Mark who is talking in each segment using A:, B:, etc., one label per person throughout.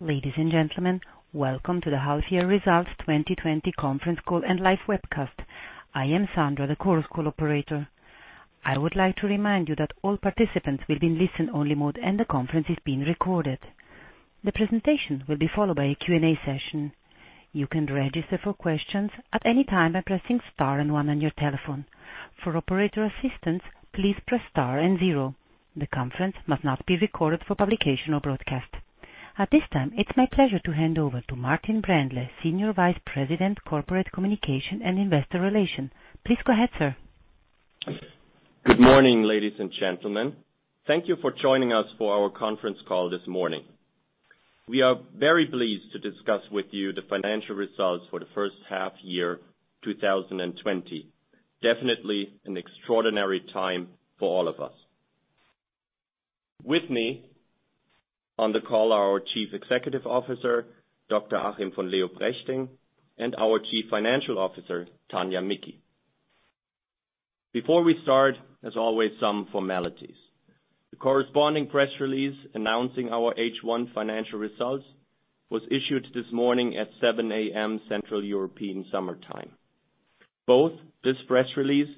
A: Ladies and gentlemen, welcome to the Half Year Results 2020 conference call and live webcast. I am Sandra, the conference call operator. I would like to remind you that all participants will be in listen-only mode and the conference is being recorded. The presentation will be followed by a Q&A session. You can register for questions at any time by pressing star and one on your telephone. For operator assistance, please press star and zero. The conference must not be recorded for publication or broadcast. At this time, it's my pleasure to hand over to Martin Brändle, Senior Vice President, Corporate Communications and Investor Relation. Please go ahead, sir.
B: Good morning, ladies and gentlemen. Thank you for joining us for our conference call this morning. We are very pleased to discuss with you the financial results for the first half year 2020. Definitely an extraordinary time for all of us. With me on the call are our Chief Executive Officer, Dr. Achim von Leoprechting, and our Chief Financial Officer, Tania Micki. Before we start, as always, some formalities. The corresponding press release announcing our H1 financial results was issued this morning at 7:00 A.M., Central European summertime. Both this press release,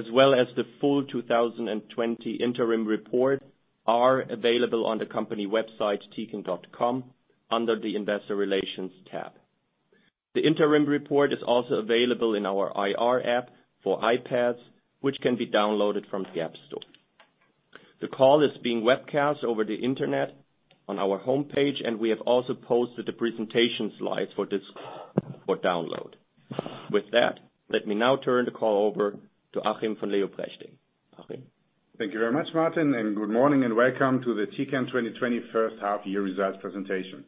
B: as well as the full 2020 interim report, are available on the company website, tecan.com, under the investor relations tab. The interim report is also available in our IR app for iPads, which can be downloaded from the App Store. The call is being webcast over the internet on our homepage, and we have also posted the presentation slides for download. With that, let me now turn the call over to Achim von Leoprechting. Achim?
C: Thank you very much, Martin. Good morning and welcome to the Tecan 2020 first half-year results presentation.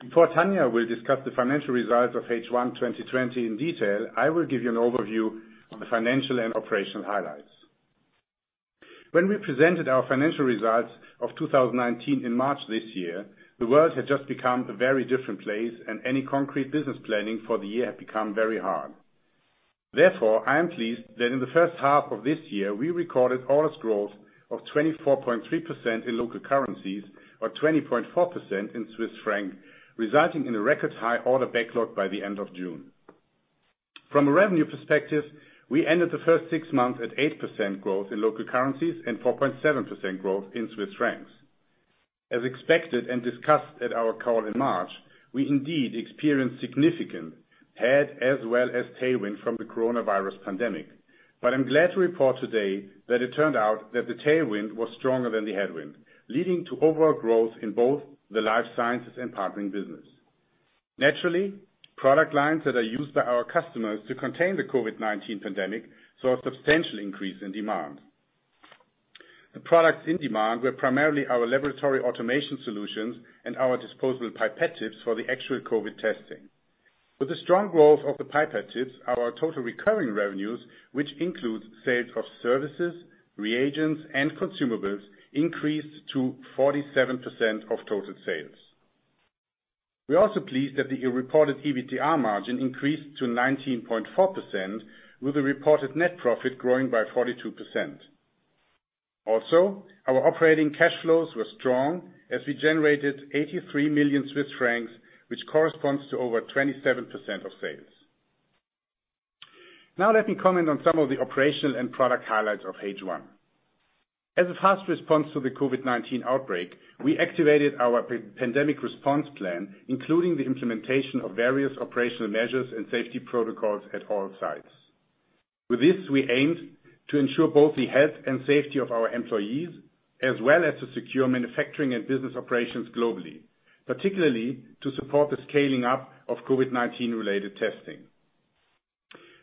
C: Before Tania will discuss the financial results of H1 2020 in detail, I will give you an overview on the financial and operational highlights. When we presented our financial results of 2019 in March this year, the world had just become a very different place, and any concrete business planning for the year had become very hard. I am pleased that in the first half of this year, we recorded orders growth of 24.3% in local currencies or 20.4% in CHF, resulting in a record high order backlog by the end of June. From a revenue perspective, we ended the first six months at 8% growth in local currencies and 4.7% growth in CHF. As expected and discussed at our call in March, we indeed experienced significant head as well as tailwind from the coronavirus pandemic. I'm glad to report today that it turned out that the tailwind was stronger than the headwind, leading to overall growth in both the Life Sciences and Partnering business. Naturally, product lines that are used by our customers to contain the COVID-19 pandemic, saw a substantial increase in demand. The products in demand were primarily our laboratory automation solutions and our disposable pipette tips for the actual COVID testing. With the strong growth of the pipette tips, our total recurring revenues, which includes sales of services, reagents, and consumables, increased to 47% of total sales. We're also pleased that the reported EBITDA margin increased to 19.4% with the reported net profit growing by 42%. Our operating cash flows were strong as we generated 83 million Swiss francs, which corresponds to over 27% of sales. Let me comment on some of the operational and product highlights of H1. As a fast response to the COVID-19 outbreak, we activated our pandemic response plan, including the implementation of various operational measures and safety protocols at all sites. With this, we aimed to ensure both the health and safety of our employees, as well as to secure manufacturing and business operations globally, particularly to support the scaling up of COVID-19 related testing.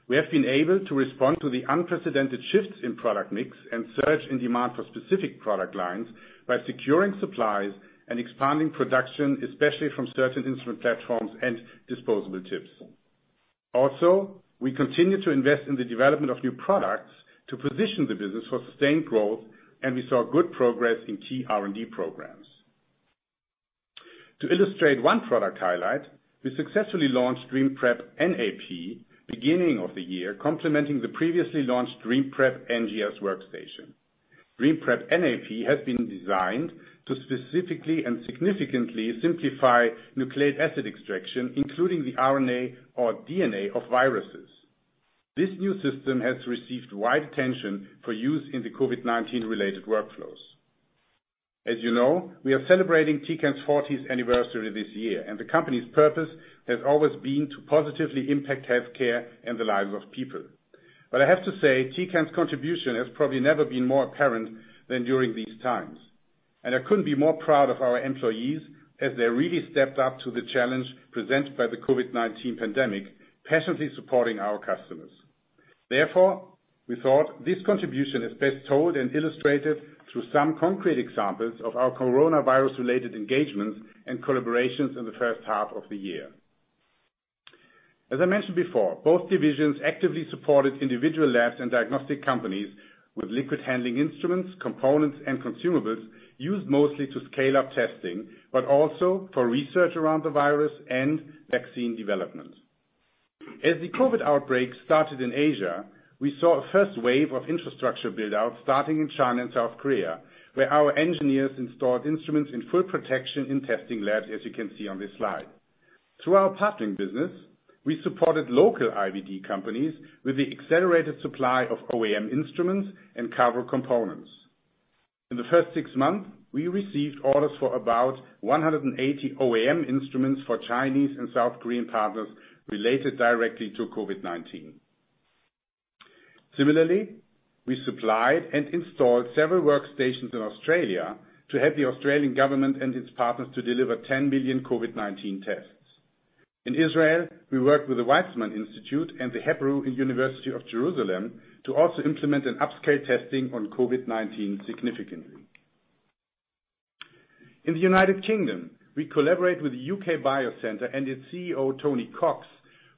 C: We have been able to respond to the unprecedented shifts in product mix and surge in demand for specific product lines by securing supplies and expanding production, especially from certain instrument platforms and disposable tips. We continue to invest in the development of new products to position the business for sustained growth, and we saw good progress in key R&D programs. To illustrate one product highlight, we successfully launched DreamPrep NAP beginning of the year, complementing the previously launched DreamPrep NGS workstation. DreamPrep NAP has been designed to specifically and significantly simplify nucleic acid extraction, including the RNA or DNA of viruses. This new system has received wide attention for use in the COVID-19 related workflows. As you know, we are celebrating Tecan's 40th anniversary this year, and the company's purpose has always been to positively impact healthcare and the lives of people. I have to say, Tecan's contribution has probably never been more apparent than during these times, and I couldn't be more proud of our employees as they really stepped up to the challenge presented by the COVID-19 pandemic, passionately supporting our customers. Therefore, we thought this contribution is best told and illustrated through some concrete examples of our coronavirus related engagements and collaborations in the first half of the year. As I mentioned before, both divisions actively supported individual labs and diagnostic companies with liquid handling instruments, components, and consumables used mostly to scale up testing, but also for research around the virus and vaccine development. As the COVID outbreak started in Asia, we saw a first wave of infrastructure build-out starting in China and South Korea, where our engineers installed instruments in full protection in testing labs, as you can see on this slide. Through our Partnering Business, we supported local IVD companies with the accelerated supply of OEM instruments and Cavro components. In the first six months, we received orders for about 180 OEM instruments for Chinese and South Korean partners related directly to COVID-19. Similarly, we supplied and installed several workstations in Australia to help the Australian government and its partners to deliver 10 million COVID-19 tests. In Israel, we worked with the Weizmann Institute and the Hebrew University of Jerusalem to also implement an upscale testing on COVID-19 significantly. In the U.K., we collaborate with the UK Biocentre and its CEO, Tony Cox,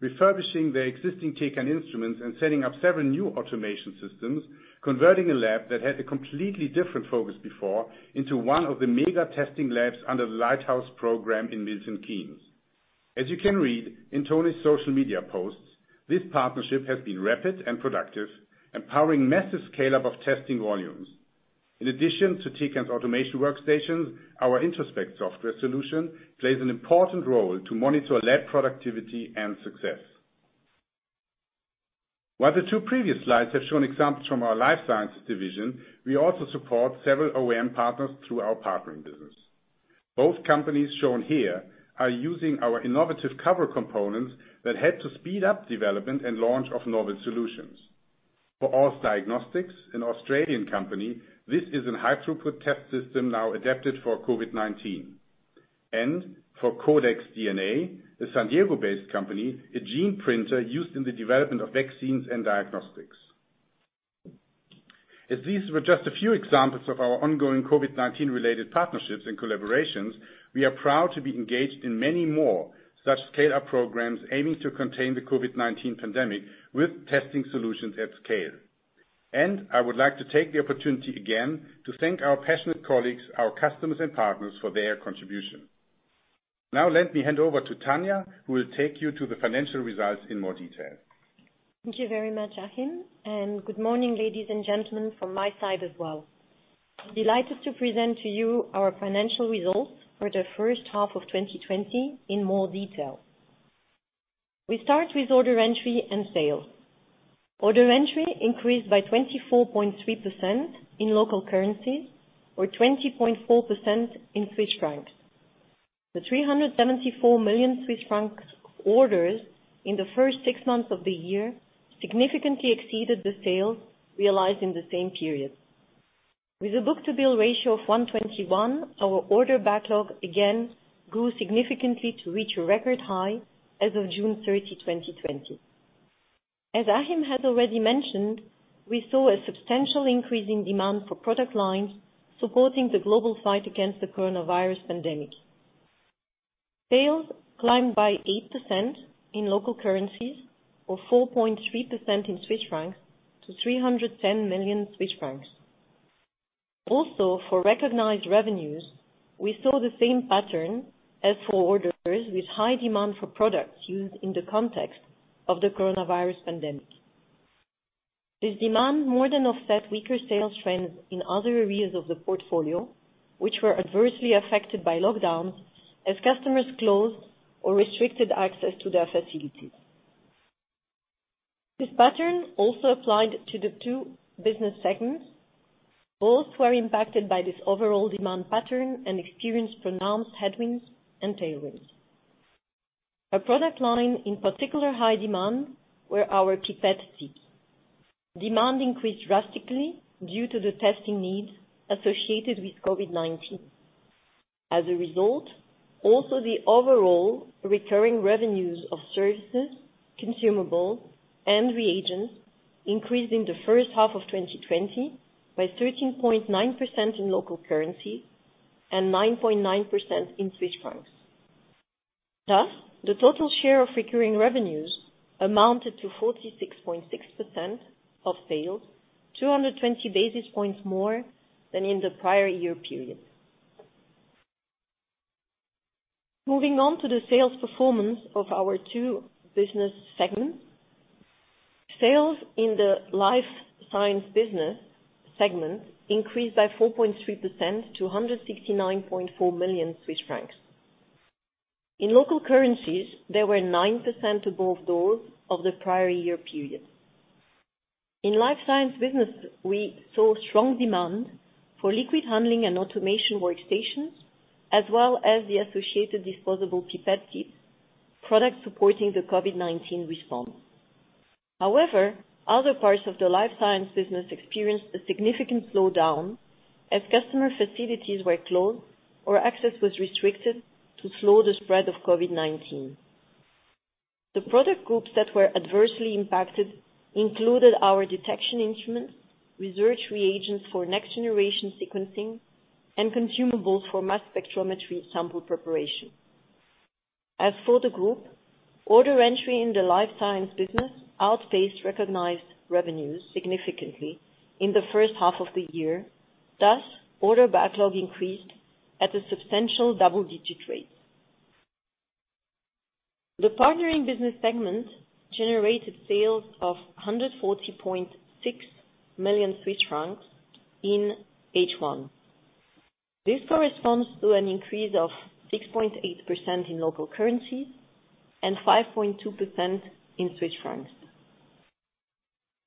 C: refurbishing their existing Tecan instruments and setting up several new automation systems, converting a lab that had a completely different focus before into one of the mega testing labs under the Lighthouse program in Milton Keynes. As you can read in Tony's social media posts, this partnership has been rapid and productive, empowering massive scale-up of testing volumes. In addition to Tecan's automation workstations, our Introspect software solution plays an important role to monitor lab productivity and success. While the two previous slides have shown examples from our life sciences division, we also support several OEM partners through our Partnering business. Both companies shown here are using our innovative Cavro components that help to speed up development and launch of novel solutions. For AusDiagnostics, an Australian company, this is an high-throughput test system now adapted for COVID-19. For Codex DNA, a San Diego-based company, a gene printer used in the development of vaccines and diagnostics. As these were just a few examples of our ongoing COVID-19 related partnerships and collaborations, we are proud to be engaged in many more such scale-up programs aiming to contain the COVID-19 pandemic with testing solutions at scale. I would like to take the opportunity again to thank our passionate colleagues, our customers and partners for their contribution. Now let me hand over to Tania, who will take you to the financial results in more detail.
D: Thank you very much, Achim, and good morning, ladies and gentlemen, from my side as well. I'm delighted to present to you our financial results for the first half of 2020 in more detail. We start with order entry and sales. Order entry increased by 24.3% in local currency or 20.4% in CHF. The 374 million Swiss francs orders in the first six months of the year significantly exceeded the sales realized in the same period. With a book-to-bill ratio of 121, our order backlog again grew significantly to reach a record high as of June 30, 2020. As Achim has already mentioned, we saw a substantial increase in demand for product lines supporting the global fight against the coronavirus pandemic. Sales climbed by 8% in local currencies or 4.3% in CHF to 310 million Swiss francs. Also, for recognized revenues, we saw the same pattern as for orders with high demand for products used in the context of the coronavirus pandemic. This demand more than offset weaker sales trends in other areas of the portfolio, which were adversely affected by lockdowns as customers closed or restricted access to their facilities. This pattern also applied to the two business segments. Both were impacted by this overall demand pattern and experienced pronounced headwinds and tailwinds. A product line in particular high demand were our pipette tips. Demand increased drastically due to the testing needs associated with COVID-19. As a result, also the overall recurring revenues of services, consumables, and reagents increased in the first half of 2020 by 13.9% in local currency and 9.9% in CHF. The total share of recurring revenues amounted to 46.6% of sales, 220 basis points more than in the prior year period. Moving on to the sales performance of our two business segments. Sales in the Life Science Business segment increased by 4.3% to 169.4 million Swiss francs. In local currencies, they were 9% above those of the prior year period. In Life Science Business, we saw strong demand for liquid handling and automation workstations, as well as the associated disposable pipette tips, products supporting the COVID-19 response. Other parts of the Life Science Business experienced a significant slowdown as customer facilities were closed or access was restricted to slow the spread of COVID-19. The product groups that were adversely impacted included our detection instruments, research reagents for next-generation sequencing, and consumables for mass spectrometry sample preparation. As for the group, order entry in the life science business outpaced recognized revenues significantly in the first half of the year. Thus, order backlog increased at a substantial double-digit rate. The Partnering Business segment generated sales of 140.6 million francs in H1. This corresponds to an increase of 6.8% in local currency and 5.2% in CHF.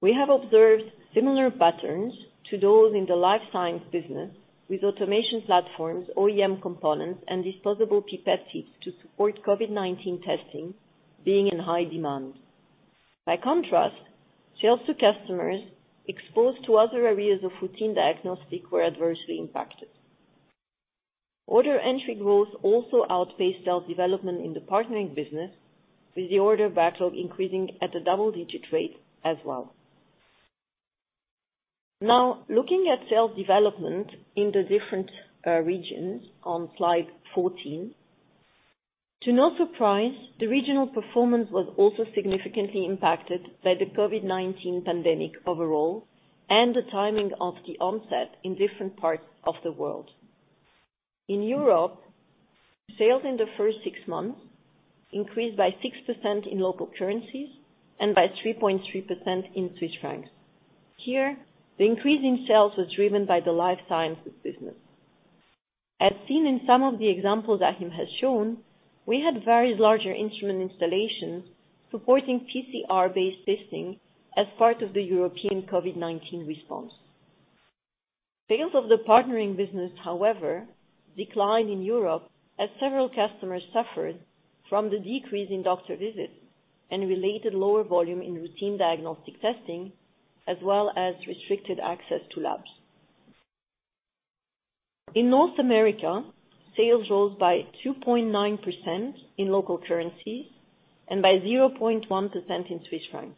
D: We have observed similar patterns to those in the life science business with automation platforms, OEM components, and disposable pipette tips to support COVID-19 testing being in high demand. By contrast, sales to customers exposed to other areas of routine diagnostic were adversely impacted. Order entry growth also outpaced sales development in the Partnering Business, with the order backlog increasing at a double-digit rate as well. Now, looking at sales development in the different regions on slide 14. To no surprise, the regional performance was also significantly impacted by the COVID-19 pandemic overall and the timing of the onset in different parts of the world. In Europe, sales in the first six months increased by 6% in local currencies and by 3.3% in CHF. Here, the increase in sales was driven by the Life Sciences Business. As seen in some of the examples Achim has shown, we had various larger instrument installations supporting PCR-based testing as part of the European COVID-19 response. Sales of the Partnering Business, however, declined in Europe as several customers suffered from the decrease in doctor visits and related lower volume in routine diagnostic testing, as well as restricted access to labs. In North America, sales rose by 2.9% in local currencies and by 0.1% in CHF.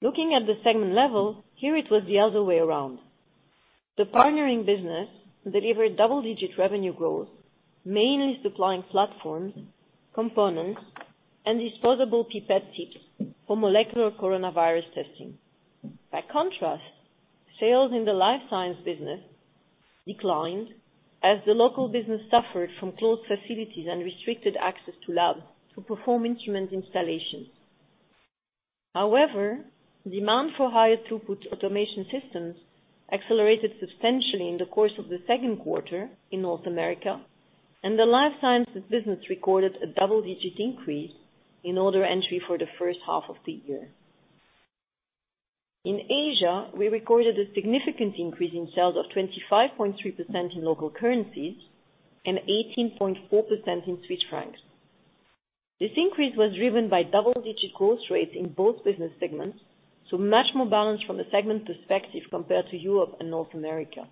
D: Looking at the segment level, here it was the other way around. The Partnering Business delivered double-digit revenue growth, mainly supplying platforms, components, and disposable pipette tips for molecular coronavirus testing. By contrast, sales in the Life Sciences Business declined as the local business suffered from closed facilities and restricted access to labs to perform instrument installations. However, demand for higher throughput automation systems accelerated substantially in the course of the second quarter in North America, and the Life Sciences Business recorded a double-digit increase in order entry for the first half of the year. In Asia, we recorded a significant increase in sales of 25.3% in local currencies and 18.4% in CHF. This increase was driven by double-digit growth rates in both business segments, so much more balanced from a segment perspective compared to Europe and North America.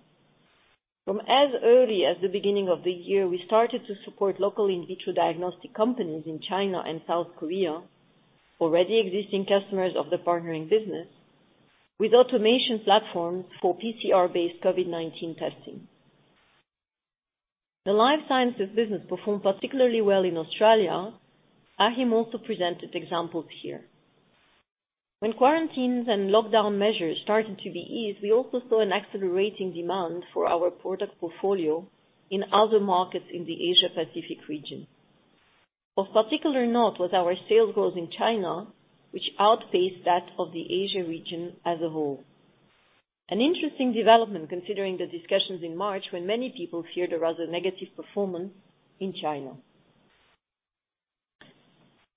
D: From as early as the beginning of the year, we started to support local in vitro diagnostic companies in China and South Korea, already existing customers of the Partnering Business, with automation platforms for PCR-based COVID-19 testing. The Life Sciences Business performed particularly well in Australia. Achim also presented examples here. When quarantines and lockdown measures started to be eased, we also saw an accelerating demand for our product portfolio in other markets in the Asia Pacific region. Of particular note was our sales growth in China, which outpaced that of the Asia region as a whole. An interesting development considering the discussions in March when many people feared a rather negative performance in China.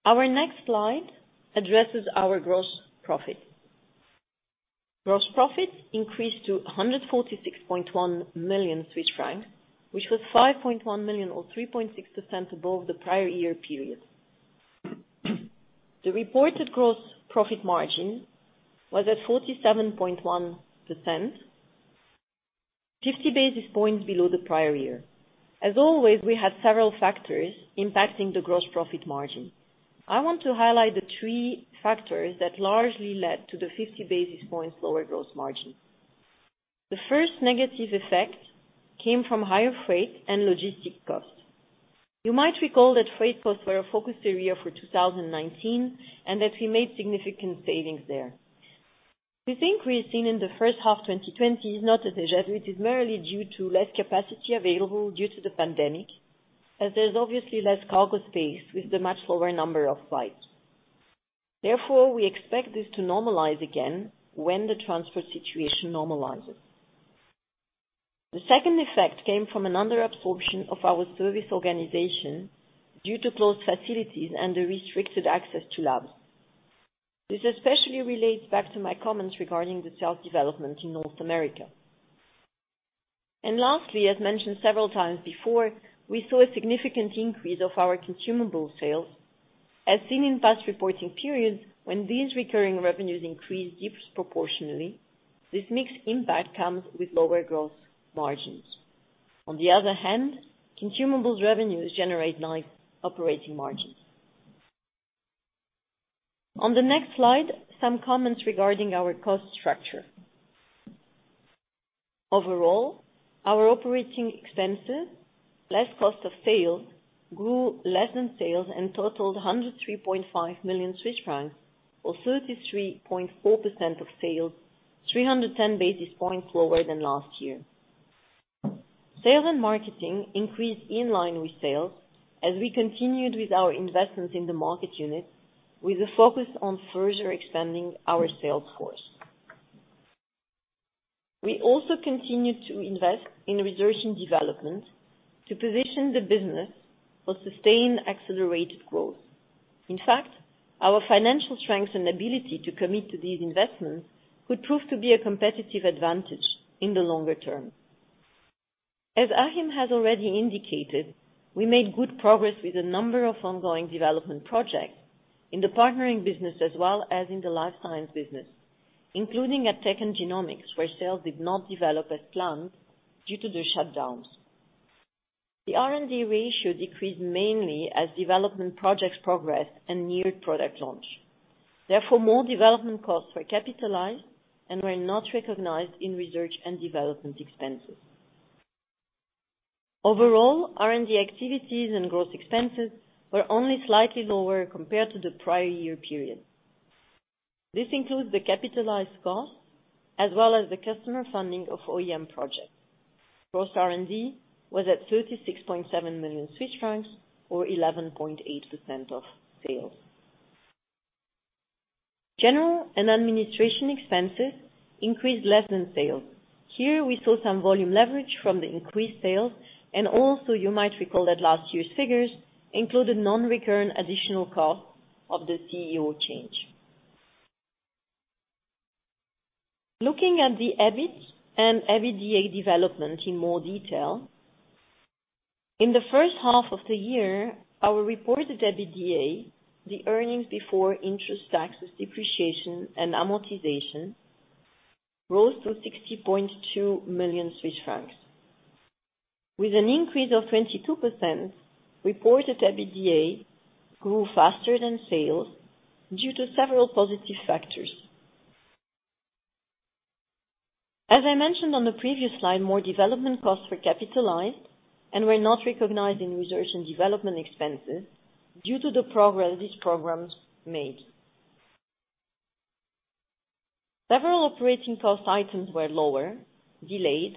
D: Our next slide addresses our gross profit. Gross profit increased to 146.1 million Swiss francs, which was 5.1 million or 3.6% above the prior year period. The reported gross profit margin was at 47.1%, 50 basis points below the prior year. As always, we had several factors impacting the gross profit margin. I want to highlight the three factors that largely led to the 50 basis points lower gross margin. The first negative effect came from higher freight and logistic costs. You might recall that freight costs were our focus area for 2019 and that we made significant savings there. The increase seen in the first half 2020 is not a deluge. It is merely due to less capacity available due to the pandemic, as there's obviously less cargo space with the much lower number of flights. Therefore, we expect this to normalize again when the transport situation normalizes. The second effect came from an under absorption of our service organization due to closed facilities and the restricted access to labs. This especially relates back to my comments regarding the sales development in North America. Lastly, as mentioned several times before, we saw a significant increase of our consumable sales. As seen in past reporting periods, when these recurring revenues increase disproportionately, this mixed impact comes with lower gross margins. On the other hand, consumables revenues generate nice operating margins. On the next slide, some comments regarding our cost structure. Overall, our operating expenses, less cost of sales, grew less than sales and totaled 103.5 million Swiss francs or 33.4% of sales, 310 basis points lower than last year. Sales and marketing increased in line with sales as we continued with our investments in the market unit with a focus on further expanding our sales force. We also continued to invest in research and development to position the business for sustained accelerated growth. In fact, our financial strength and ability to commit to these investments could prove to be a competitive advantage in the longer term. As Achim has already indicated, we made good progress with a number of ongoing development projects in the Partnering business, as well as in the life science business, including at Tecan Genomics, where sales did not develop as planned due to the shutdowns. The R&D ratio decreased mainly as development projects progressed and new product launch. Therefore, more development costs were capitalized and were not recognized in research and development expenses. Overall, R&D activities and growth expenses were only slightly lower compared to the prior year period. This includes the capitalized cost as well as the customer funding of OEM projects. Gross R&D was at 36.7 million Swiss francs or 11.8% of sales. General and administration expenses increased less than sales. Here we saw some volume leverage from the increased sales, and also you might recall that last year's figures included non-recurring additional costs of the CEO change. Looking at the EBIT and EBITDA development in more detail. In the first half of the year, our reported EBITDA, the earnings before interest, taxes, depreciation and amortization, rose to 60.2 million Swiss francs. With an increase of 22%, reported EBITDA grew faster than sales due to several positive factors. As I mentioned on the previous slide, more development costs were capitalized and were not recognized in research and development expenses due to the progress these programs made. Several operating cost items were lower, delayed,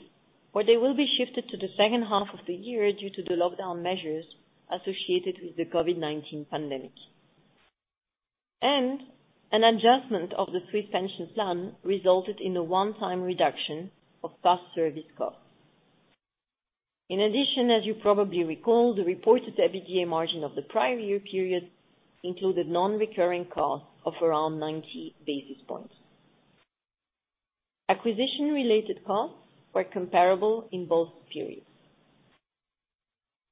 D: or they will be shifted to the second half of the year due to the lockdown measures associated with the COVID-19 pandemic. An adjustment of the Swiss pension plan resulted in a one-time reduction of past service costs. In addition, as you probably recall, the reported EBITDA margin of the prior year period included non-recurring costs of around 90 basis points. Acquisition-related costs were comparable in both periods.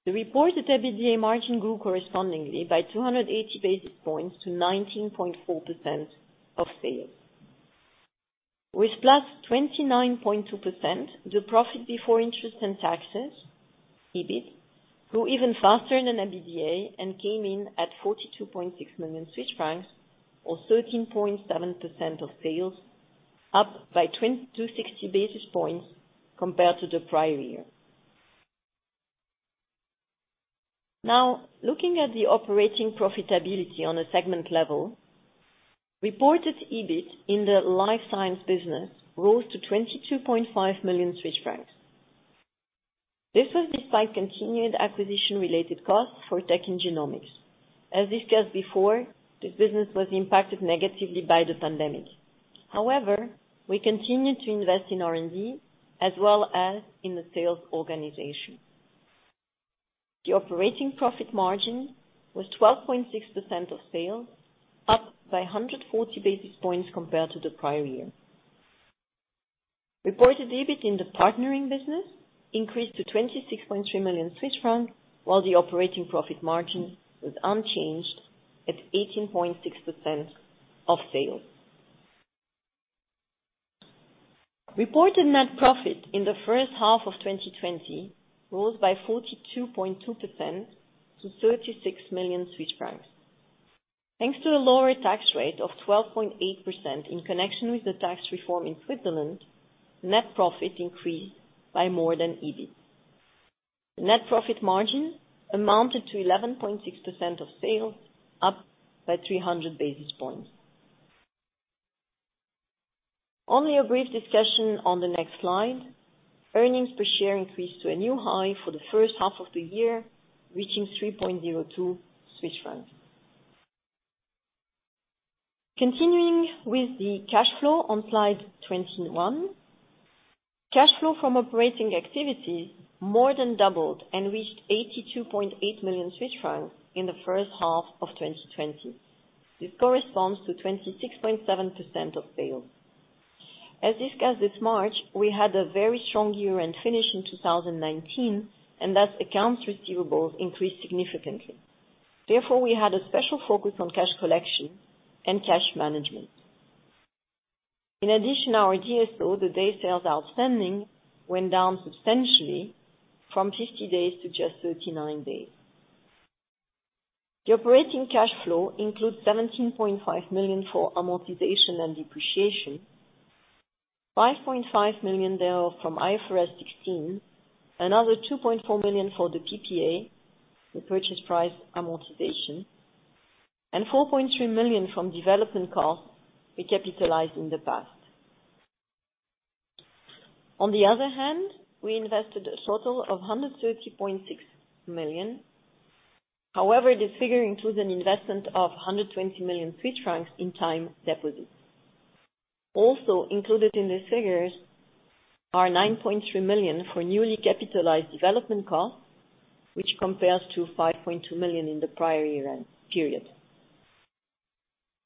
D: The reported EBITDA margin grew correspondingly by 280 basis points to 19.4% of sales. With +29.2%, the profit before interest and taxes, EBIT, grew even faster than EBITDA and came in at 42.6 million Swiss francs, or 13.7% of sales, up by 260 basis points compared to the prior year. Now, looking at the operating profitability on a segment level, reported EBIT in the Life Science Business rose to 22.5 million Swiss francs. This was despite continued acquisition-related costs for Tecan Genomics. As discussed before, this business was impacted negatively by the pandemic. We continued to invest in R&D as well as in the sales organization. The operating profit margin was 12.6% of sales, up by 140 basis points compared to the prior year. Reported EBIT in the Partnering Business increased to 26.3 million Swiss francs, while the operating profit margin was unchanged at 18.6% of sales. Reported net profit in the first half of 2020 rose by 42.2% to 36 million Swiss francs. Thanks to a lower tax rate of 12.8% in connection with the tax reform in Switzerland, net profit increased by more than EBIT. Net profit margin amounted to 11.6% of sales, up by 300 basis points. Only a brief discussion on the next slide. Earnings per share increased to a new high for the first half of the year, reaching 3.02 Swiss francs. Continuing with the cash flow on slide 21. Cash flow from operating activities more than doubled and reached 82.8 million Swiss francs in the first half of 2020. This corresponds to 26.7% of sales. As discussed this March, we had a very strong year-end finish in 2019. Thus, accounts receivables increased significantly. Therefore, we had a special focus on cash collection and cash management. In addition, our DSO, the days sales outstanding, went down substantially from 50 days to just 39 days. The operating cash flow includes 17.5 million for amortization and depreciation, 5.5 million thereof from IFRS 16, another 2.4 million for the PPA, the purchase price amortization. 4.3 million from development costs we capitalized in the past. On the other hand, we invested a total of 130.6 million. However, this figure includes an investment of 120 million Swiss francs in time deposits. Also included in the figures are 9.3 million for newly capitalized development costs, which compares to 5.2 million in the prior year period.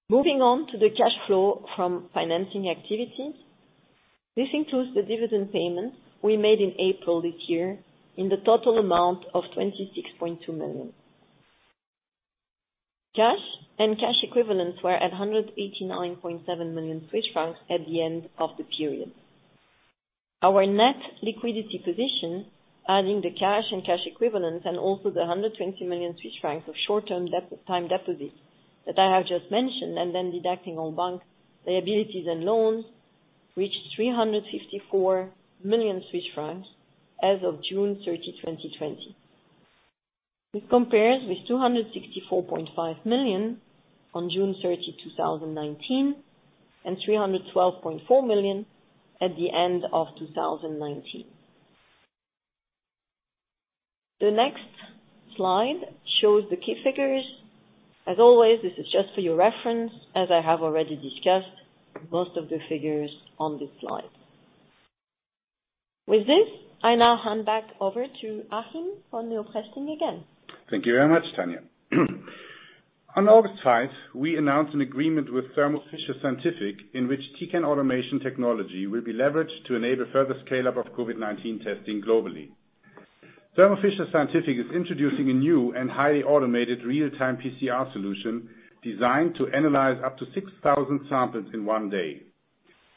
D: Moving on to the cash flow from financing activities. This includes the dividend payments we made in April this year in the total amount of 26.2 million. Cash and cash equivalents were at 189.7 million Swiss francs at the end of the period. Our net liquidity position, adding the cash and cash equivalents, and also the 120 million Swiss francs of short-term time deposits that I have just mentioned, and then deducting all bank liabilities and loans, reached 354 million Swiss francs as of June 30, 2020. This compares with 264.5 million on June 30, 2019, and 312.4 million at the end of 2019. The next slide shows the key figures. As always, this is just for your reference, as I have already discussed most of the figures on this slide. With this, I now hand back over to Achim for more testing again.
C: Thank you very much, Tania. On August 5th, we announced an agreement with Thermo Fisher Scientific, in which Tecan Automation Technology will be leveraged to enable further scale-up of COVID-19 testing globally. Thermo Fisher Scientific is introducing a new and highly automated real-time PCR solution designed to analyze up to 6,000 samples in one day.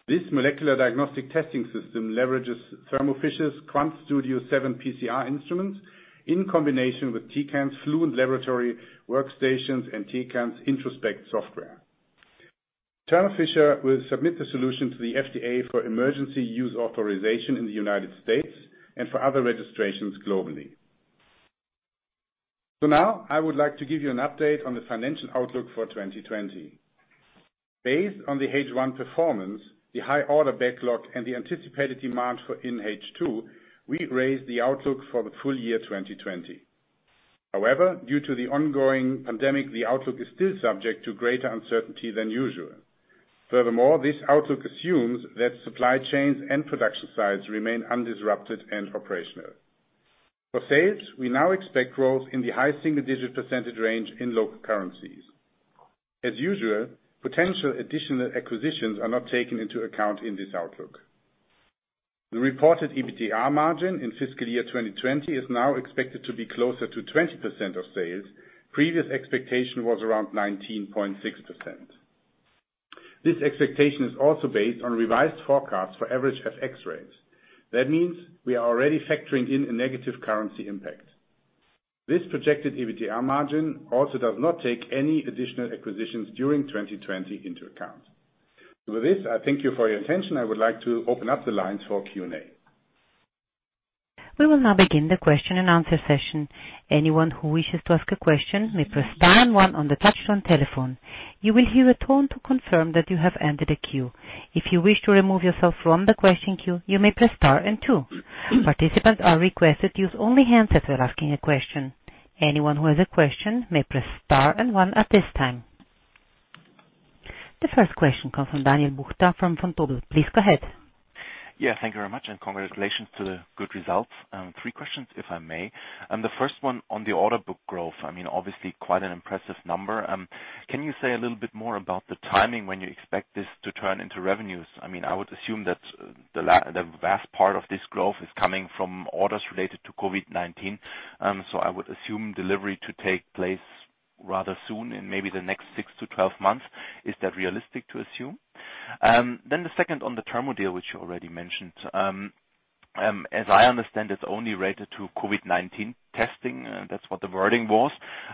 C: This molecular diagnostic testing system leverages Thermo Fisher's QuantStudio 7 PCR instruments in combination with Tecan's Fluent laboratory workstations and Tecan's Introspect software. Thermo Fisher will submit the solution to the FDA for Emergency Use Authorization in the United States and for other registrations globally. Now I would like to give you an update on the financial outlook for 2020. Based on the H1 performance, the high order backlog, and the anticipated demand for in H2, we raised the outlook for the full year 2020. However, due to the ongoing pandemic, the outlook is still subject to greater uncertainty than usual. Furthermore, this outlook assumes that supply chains and production sites remain undisrupted and operational. For sales, we now expect growth in the high single-digit percentage range in local currencies. As usual, potential additional acquisitions are not taken into account in this outlook. The reported EBITDA margin in fiscal year 2020 is now expected to be closer to 20% of sales. Previous expectation was around 19.6%. This expectation is also based on revised forecasts for average FX rates. That means we are already factoring in a negative currency impact. This projected EBITDA margin also does not take any additional acquisitions during 2020 into account. With this, I thank you for your attention. I would like to open up the lines for Q&A.
A: We will now begin the question and answer session. Anyone who wishes to ask a question may press star and one on the telephone. You will hear a tone to confirm you've entered the queue. If you wish to remove yourself from the question queue, you may press star then two. Participants are requested to use only handsets that are can ask questions. The first question comes from Daniel Bukta from Vontobel. Please go ahead.
E: Yeah, thank you very much, congratulations to the good results. Three questions, if I may. The first one on the order book growth, obviously quite an impressive number. Can you say a little bit more about the timing when you expect this to turn into revenues? I would assume that the vast part of this growth is coming from orders related to COVID-19. I would assume delivery to take place rather soon in maybe the next 6-12 months. Is that realistic to assume? The second on the Thermo deal, which you already mentioned. As I understand, it's only related to COVID-19 testing, that's what the wording was.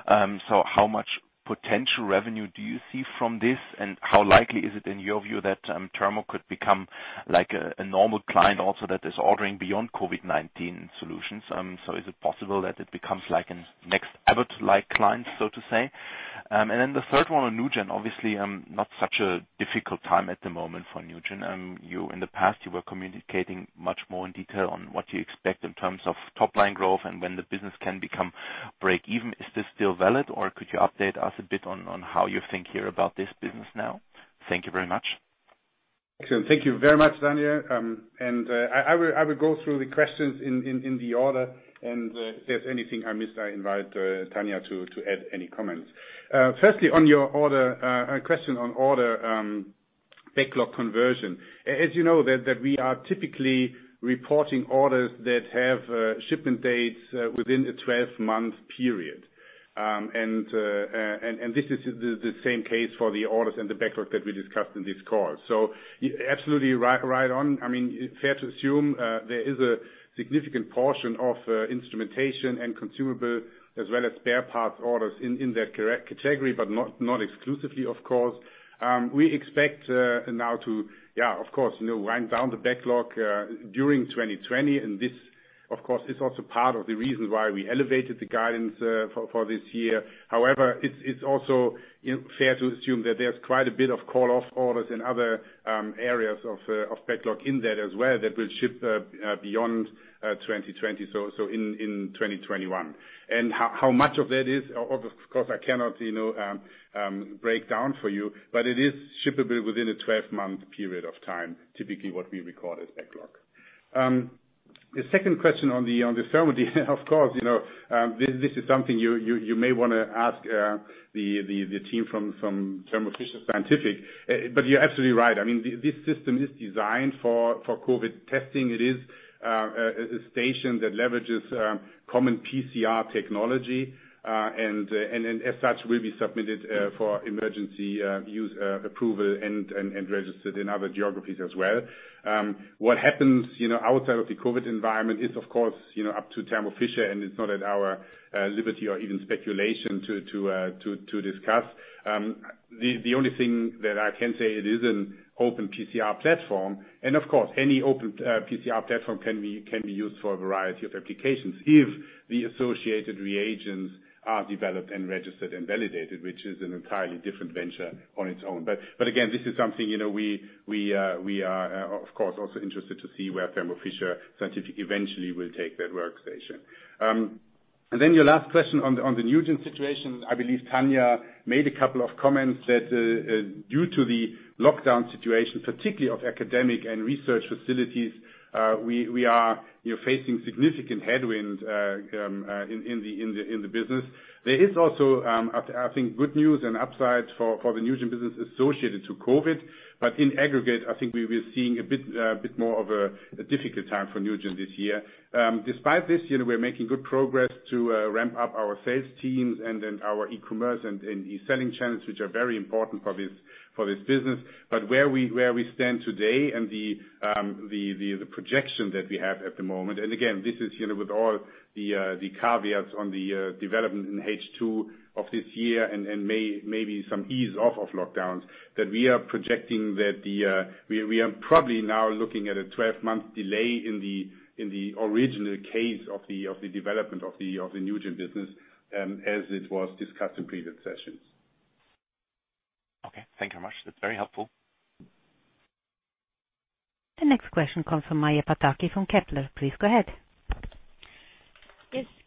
E: How much potential revenue do you see from this, and how likely is it in your view that Thermo could become like a normal client also that is ordering beyond COVID-19 solutions? Is it possible that it becomes like a next Abbott-like client, so to say? The third one on NuGEN, obviously, not such a difficult time at the moment for NuGEN. In the past, you were communicating much more in detail on what you expect in terms of top-line growth and when the business can become break even. Is this still valid, or could you update us a bit on how you think here about this business now? Thank you very much.
C: Thank you very much, Daniel. I will go through the questions in the order and if there's anything I missed, I invite Tania to add any comments. On your question on order backlog conversion. As you know that we are typically reporting orders that have shipment dates within a 12-month period. This is the same case for the orders and the backlog that we discussed in this call. You're absolutely right on. It's fair to assume there is a significant portion of instrumentation and consumable as well as spare parts orders in that category, but not exclusively, of course. We expect now to wind down the backlog during 2020. This, of course, is also part of the reason why we elevated the guidance for this year. However, it's also fair to assume that there's quite a bit of call-off orders in other areas of backlog in there as well that will ship beyond 2020, so in 2021. How much of that is, of course, I cannot break down for you, but it is shippable within a 12-month period of time, typically what we record as backlog. The second question on the Thermo, of course, this is something you may want to ask the team from Thermo Fisher Scientific, but you're absolutely right. This system is designed for COVID testing. It is a station that leverages common PCR technology. As such, will be submitted for emergency use approval and registered in other geographies as well. What happens outside of the COVID environment is, of course, up to Thermo Fisher, and it's not at our liberty or even speculation to discuss. The only thing that I can say, it is an open PCR platform. Of course, any open PCR platform can be used for a variety of applications if the associated reagents are developed and registered and validated, which is an entirely different venture on its own. Again, this is something we are, of course, also interested to see where Thermo Fisher Scientific eventually will take that workstation. Your last question on the NuGEN situation, I believe Tania made a couple of comments that due to the lockdown situation, particularly of academic and research facilities, we are facing significant headwinds in the business. There is also, I think, good news and upside for the NuGEN business associated to COVID. In aggregate, I think we're seeing a bit more of a difficult time for NuGEN this year. Despite this, we're making good progress to ramp up our sales teams and then our e-commerce and e-selling channels, which are very important for this business. Where we stand today and the projection that we have at the moment, and again, this is with all the caveats on the development in H2 of this year and maybe some ease off of lockdowns, that we are projecting that we are probably now looking at a 12-month delay in the original case of the development of the NuGEN business as it was discussed in previous sessions.
E: Okay, thank you very much. That is very helpful.
A: The next question comes from Maja Pataki from Kepler. Please go ahead.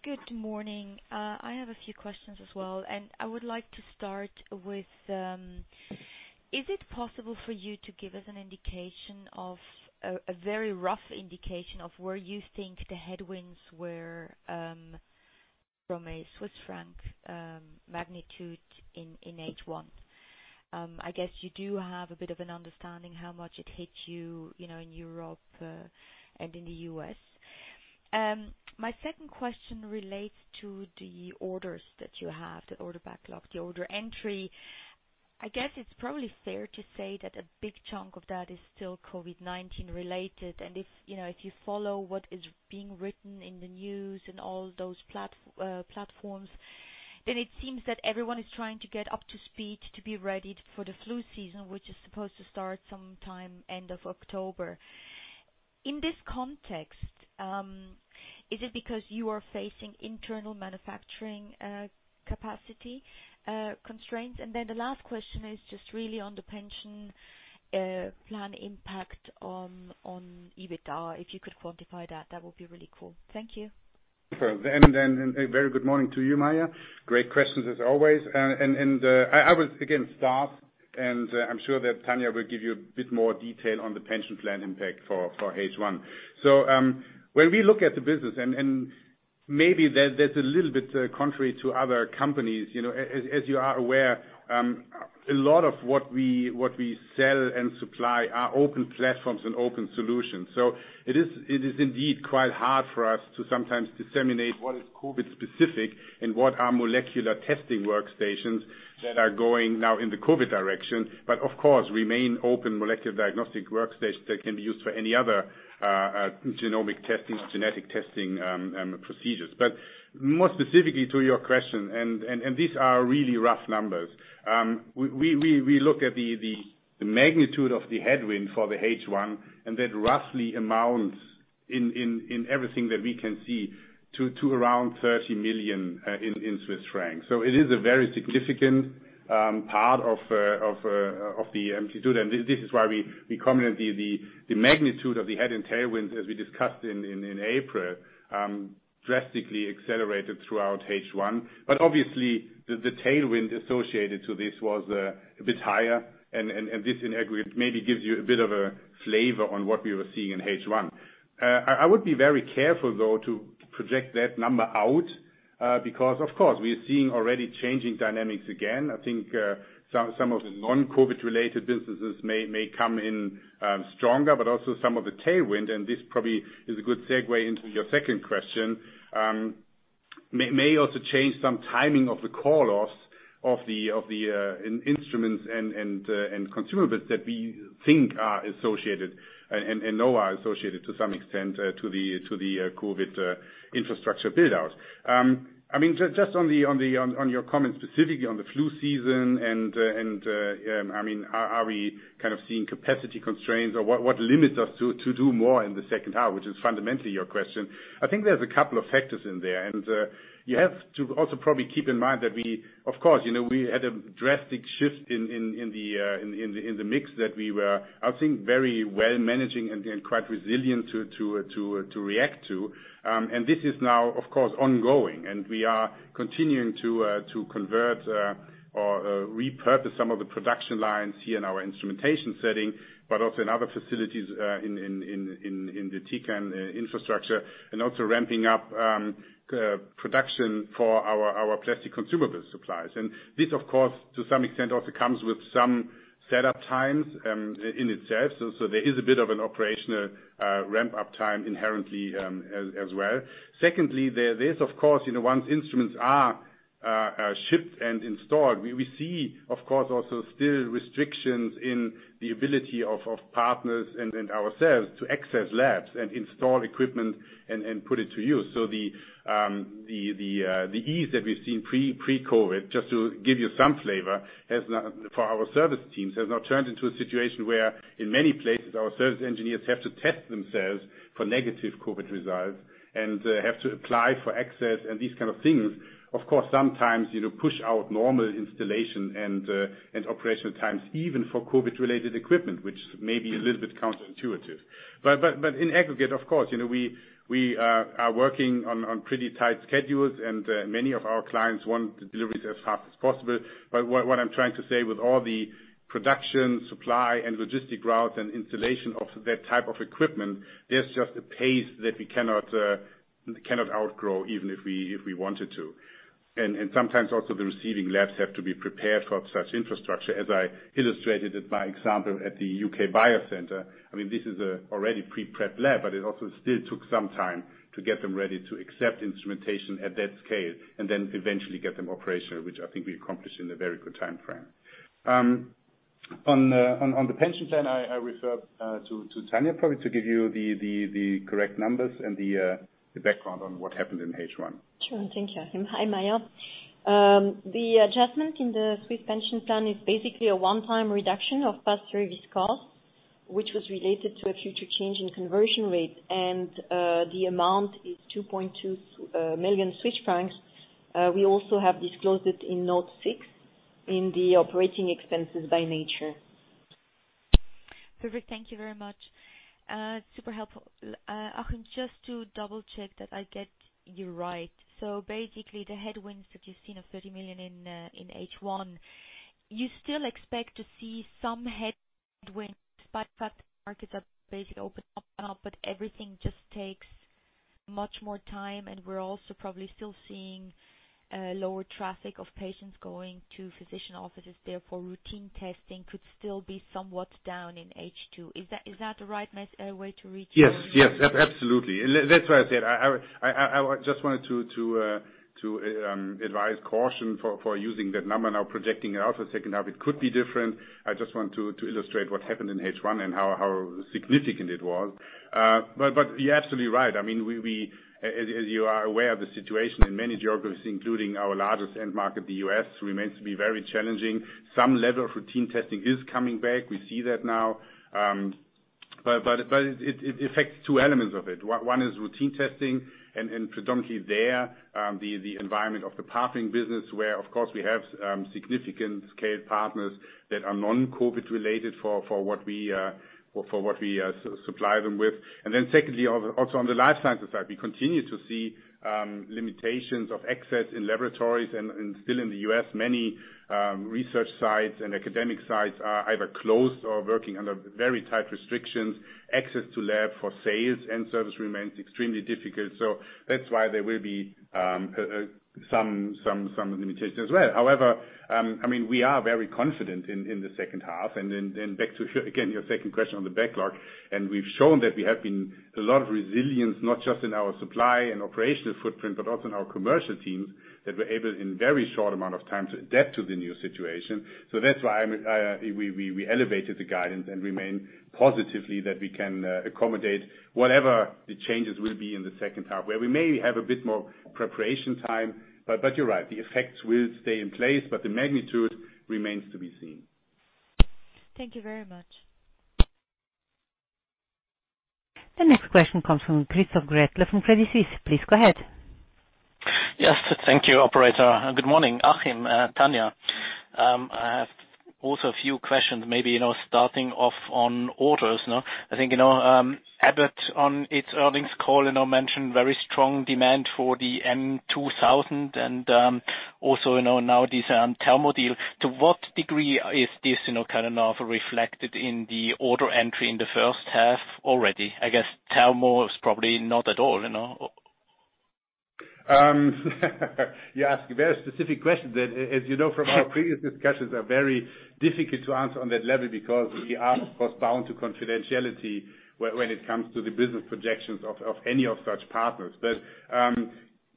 F: Good morning. I have a few questions as well, and I would like to start with, is it possible for you to give us a very rough indication of where you think the headwinds were from a Swiss franc magnitude in H1? I guess you do have a bit of an understanding how much it hit you in Europe and in the U.S. My second question relates to the orders that you have, the order backlog, the order entry. I guess it's probably fair to say that a big chunk of that is still COVID-19 related. If you follow what is being written in the news and all those platforms, then it seems that everyone is trying to get up to speed to be ready for the flu season, which is supposed to start some time end of October. In this context, is it because you are facing internal manufacturing capacity constraints? The last question is just really on the pension plan impact on EBITDA. If you could quantify that would be really cool. Thank you.
C: A very good morning to you, Maja. Great questions as always. I will, again, start, and I'm sure that Tania will give you a bit more detail on the pension plan impact for H1. When we look at the business, and maybe that's a little bit contrary to other companies, as you are aware, a lot of what we sell and supply are open platforms and open solutions. It is indeed quite hard for us to sometimes disseminate what is COVID specific and what are molecular testing workstations that are going now in the COVID direction, but of course, remain open molecular diagnostic workstations that can be used for any other genomic testing, genetic testing procedures. More specifically to your question, and these are really rough numbers. We look at the magnitude of the headwind for the H1, that roughly amounts in everything that we can see to around 30 million. It is a very significant part of the magnitude. This is why we commented the magnitude of the head and tailwinds as we discussed in April, drastically accelerated throughout H1. Obviously, the tailwind associated to this was a bit higher, this in aggregate maybe gives you a bit of a flavor on what we were seeing in H1. I would be very careful, though, to project that number out, because of course, we are seeing already changing dynamics again. I think some of the non-COVID related businesses may come in stronger, but also some of the tailwind, and this probably is a good segue into your second question. This may also change some timing of the call-offs of the instruments and consumables that we think are associated, and know are associated to some extent to the COVID infrastructure build-out. Just on your comment specifically on the flu season and are we kind of seeing capacity constraints or what limits us to do more in the second half, which is fundamentally your question. I think there's a couple of factors in there. You have to also probably keep in mind that we, of course, we had a drastic shift in the mix that we were, I think, very well managing and quite resilient to react to. This is now, of course, ongoing, and we are continuing to convert or repurpose some of the production lines here in our instrumentation setting, but also in other facilities in the Tecan infrastructure, and also ramping up production for our plastic consumable supplies. This, of course, to some extent, also comes with some set-up times in itself. There is a bit of an operational ramp-up time inherently as well. Secondly, there is, of course, once instruments are shipped and installed, we see, of course, also still restrictions in the ability of partners and ourselves to access labs and install equipment and put it to use. The ease that we've seen pre-COVID, just to give you some flavor, for our service teams, has now turned into a situation where in many places, our service engineers have to test themselves for negative COVID results and have to apply for access and these kind of things. Of course, sometimes push out normal installation and operational times, even for COVID-related equipment, which may be a little bit counterintuitive. In aggregate, of course, we are working on pretty tight schedules and many of our clients want the deliveries as fast as possible. What I'm trying to say with all the production, supply, and logistic routes and installation of that type of equipment, there's just a pace that we cannot outgrow even if we wanted to. Sometimes also the receiving labs have to be prepared for such infrastructure, as I illustrated it by example at the UK Biocentre. This is an already pre-prepped lab, but it also still took some time to get them ready to accept instrumentation at that scale and then eventually get them operational, which I think we accomplished in a very good time frame. On the pension plan, I refer to Tania probably to give you the correct numbers and the background on what happened in H1.
D: Sure. Thank you, Achim. Hi, Maja. The adjustment in the Swiss pension plan is basically a one-time reduction of past service costs, which was related to a future change in conversion rate. The amount is 2.2 million francs. We also have disclosed it in note six in the operating expenses by nature.
F: Perfect. Thank you very much. Super helpful. Achim, just to double-check that I get you right. Basically the headwinds that you are seeing of 30 million in H1, you still expect to see some headwinds, but markets are basically opening up, but everything just takes much more time and we are also probably still seeing lower traffic of patients going to physician offices, therefore routine testing could still be somewhat down in H2. Is that the right way to read your-
C: Yes. Absolutely. That's why I said I just wanted to advise caution for using that number now, projecting it out for the second half. It could be different. I just want to illustrate what happened in H1 and how significant it was. You're absolutely right. As you are aware of the situation in many geographies, including our largest end market, the U.S., remains to be very challenging. Some level of routine testing is coming back. We see that now. It affects two elements of it. One is routine testing, and predominantly there, the environment of the Partnering Business where, of course, we have significant scale partners that are non-COVID related for what we supply them with. Secondly, also on the life sciences side, we continue to see limitations of access in laboratories and still in the U.S., many research sites and academic sites are either closed or working under very tight restrictions. Access to lab for sales and service remains extremely difficult. That's why there will be some limitations as well. However, we are very confident in the second half. Back to, again, your second question on the backlog, and we've shown that we have been a lot of resilience, not just in our supply and operational footprint, but also in our commercial teams that were able, in very short amount of time, to adapt to the new situation. That's why we elevated the guidance and remain positively that we can accommodate whatever the changes will be in the second half, where we may have a bit more preparation time. You're right. The effects will stay in place, but the magnitude remains to be seen.
F: Thank you very much.
A: The next question comes from Christoph Gretler from Credit Suisse. Please go ahead.
G: Yes. Thank you, operator. Good morning, Achim, Tania. I have also a few questions maybe starting off on orders. I think Abbott on its earnings call mentioned very strong demand for the m2000 and also now this Thermo deal. To what degree is this kind of reflected in the order entry in the first half already? I guess Thermo is probably not at all.
C: You ask very specific questions that, as you know from our previous discussions, are very difficult to answer on that level because we are, of course, bound to confidentiality when it comes to the business projections of any of such partners.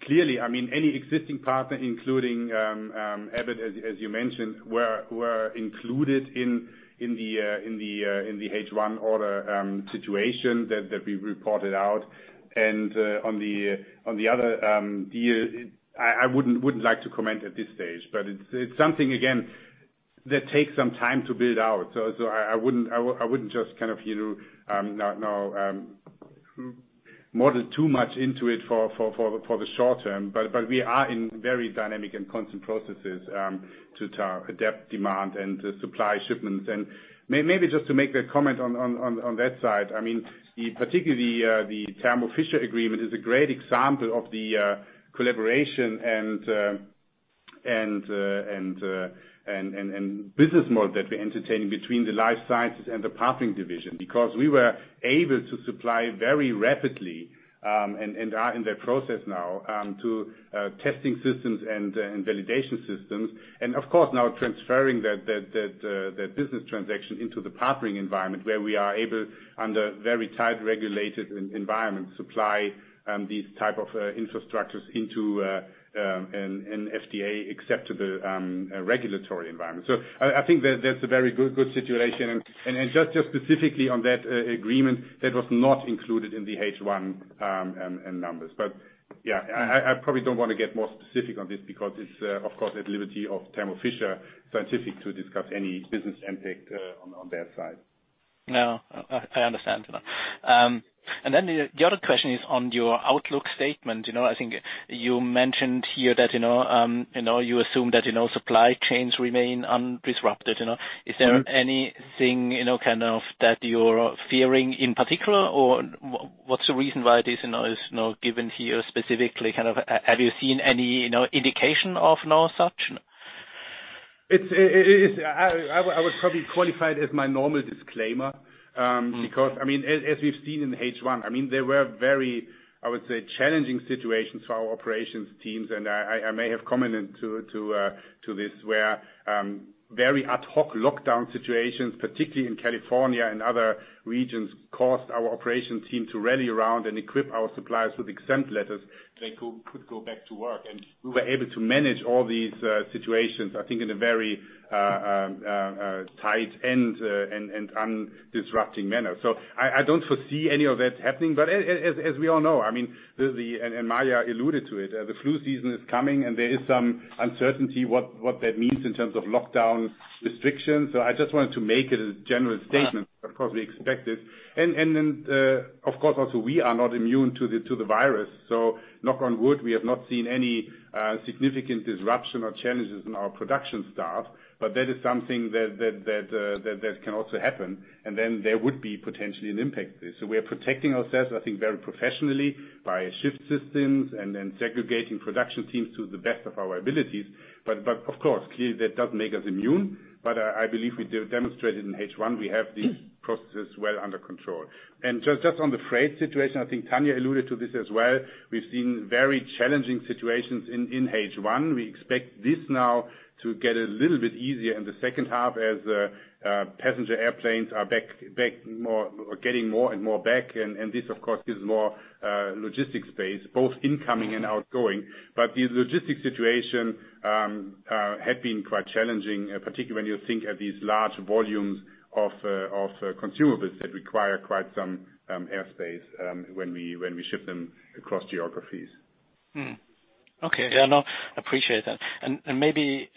C: Clearly, any existing partner, including Abbott, as you mentioned, were included in the H1 order situation that we reported out. On the other deal, I wouldn't like to comment at this stage, it's something, again, that takes some time to build out. I wouldn't just model too much into it for the short term. We are in very dynamic and constant processes to adapt demand and supply shipments. Maybe just to make a comment on that side, particularly the Thermo Fisher agreement is a great example of the collaboration and business model that we're entertaining between the life sciences and the Partnering division, because we were able to supply very rapidly, and are in that process now, to testing systems and validation systems. Of course, now transferring that business transaction into the Partnering environment where we are able, under very tight regulated environment, supply these type of infrastructures into an FDA acceptable regulatory environment. I think that's a very good situation. Just specifically on that agreement, that was not included in the H1 numbers. Yeah, I probably don't want to get more specific on this because it's, of course, at liberty of Thermo Fisher Scientific to discuss any business impact on their side.
G: No, I understand. The other question is on your outlook statement. I think you mentioned here that you assume that supply chains remain undisrupted. Is there anything that you are fearing in particular? What is the reason why this is not given here specifically? Have you seen any indication of no such?
C: I would probably qualify it as my normal disclaimer. Because, as we've seen in H1, there were very, I would say, challenging situations for our operations teams, and I may have commented to this, where very ad hoc lockdown situations, particularly in California and other regions, caused our operations team to rally around and equip our suppliers with exempt letters so they could go back to work. We were able to manage all these situations, I think, in a very tight and undisrupting manner. I don't foresee any of that happening. As we all know, and Maja alluded to it, the flu season is coming and there is some uncertainty what that means in terms of lockdown restrictions. I just wanted to make it a general statement, of course, we expect it. Then, of course, also, we are not immune to the virus. Knock on wood, we have not seen any significant disruption or challenges in our production staff, but that is something that can also happen, and then there would be potentially an impact. We are protecting ourselves, I think, very professionally via shift systems and then segregating production teams to the best of our abilities. Of course, clearly, that doesn't make us immune. I believe we demonstrated in H1, we have these processes well under control. Just on the freight situation, I think Tania alluded to this as well. We've seen very challenging situations in H1. We expect this now to get a little bit easier in the second half as passenger airplanes are getting more and more back. This, of course, gives more logistics space, both incoming and outgoing. The logistics situation had been quite challenging, particularly when you think of these large volumes of consumables that require quite some airspace when we ship them across geographies.
G: Okay. Yeah, no, appreciate that. Maybe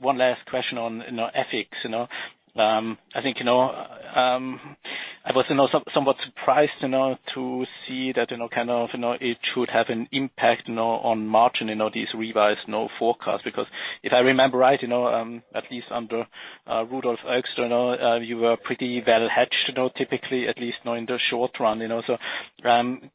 G: one last question on FX. I was somewhat surprised to see that it should have an impact now on margin, this revised now forecast, because if I remember right, at least under Rudolf Eugster, you were pretty well hedged, typically, at least now in the short run.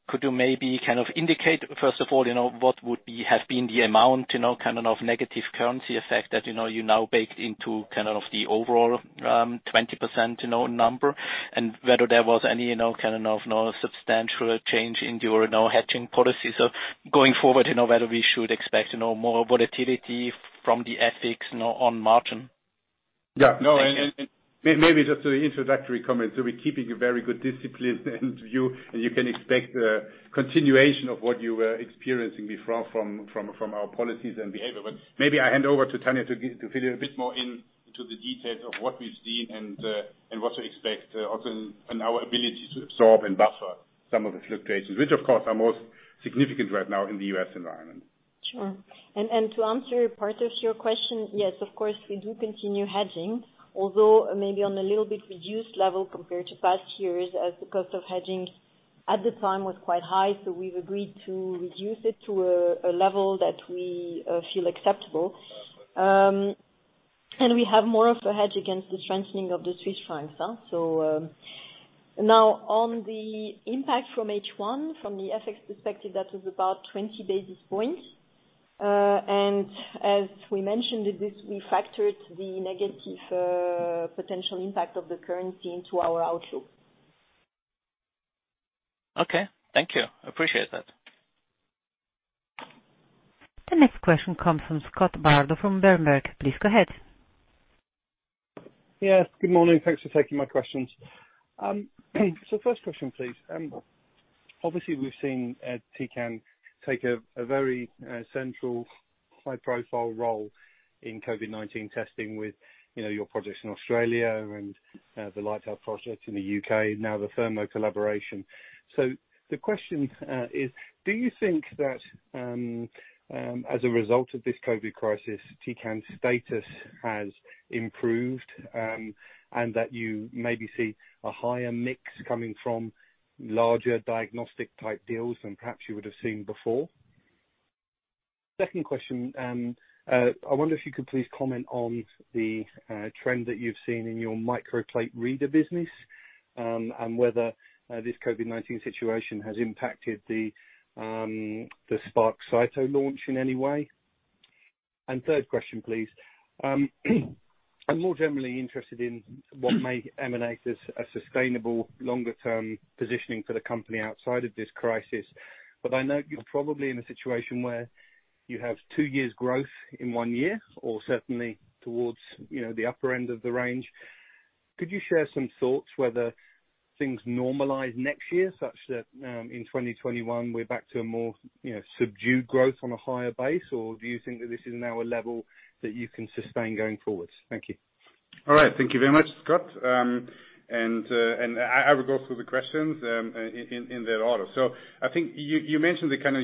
G: Could you maybe indicate, first of all, what would have been the amount of negative currency effect that you now baked into the overall 20% number? Whether there was any substantial change in your hedging policy now? Going forward, whether we should expect more volatility from the FX on margin?
C: Yeah. No, maybe just an introductory comment. We're keeping a very good discipline and you can expect a continuation of what you were experiencing before from our policies and behavior. Maybe I hand over to Tania to fill you a bit more into the details of what we've seen and what to expect, also in our ability to absorb and buffer some of the fluctuations, which of course, are most significant right now in the U.S. environment.
D: Sure. To answer part of your question, yes, of course, we do continue hedging, although maybe on a little bit reduced level compared to past years as the cost of hedging at the time was quite high. We've agreed to reduce it to a level that we feel acceptable. We have more of a hedge against the strengthening of the Swiss franc. Now on the impact from H1, from the FX perspective, that was about 20 basis points. As we mentioned, we factored the negative potential impact of the currency into our outlook.
G: Okay. Thank you. Appreciate that.
A: The next question comes from Scott Bardo from Berenberg. Please go ahead.
H: Yes. Good morning. Thanks for taking my questions. First question, please. Obviously, we've seen Tecan take a very central, high-profile role in COVID-19 testing with your projects in Australia and the Lighthouse Lab project in the U.K., now the Thermo collaboration. The question is: do you think that as a result of this COVID crisis, Tecan's status has improved, and that you maybe see a higher mix coming from larger diagnostic-type deals than perhaps you would have seen before? Second question, I wonder if you could please comment on the trend that you've seen in your microplate reader business, and whether this COVID-19 situation has impacted the Spark Cyto launch in any way. Third question, please. I'm more generally interested in what may emanate as a sustainable longer-term positioning for the company outside of this crisis. I know you're probably in a situation where you have two years growth in one year, or certainly towards the upper end of the range. Could you share some thoughts whether things normalize next year, such that in 2021, we're back to a more subdued growth on a higher base? Do you think that this is now a level that you can sustain going forward? Thank you.
C: All right. Thank you very much, Scott. I will go through the questions in that order. I think you mentioned the kind of